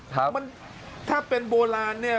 แต่ถ้าเป็นโบราณนี้